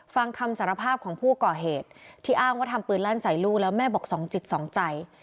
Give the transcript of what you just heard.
ฟังคำสารภาพของผู้ก่อเหตุที่อ้างว่าทำปืนลั่นใส่ลูกแล้วแม่บอกสองจิตสองใจ